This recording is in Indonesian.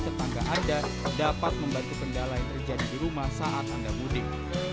tetangga anda dapat membantu kendala yang terjadi di rumah saat anda mudik